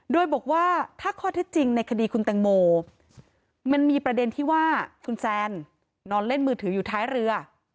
โดยบอกว่าถ้าข้อเท็จจริงในคดีคุณแตงโมมันมีประเด็นที่ว่าคุณแซนนอนเล่นมือถืออยู่ท้ายเรือ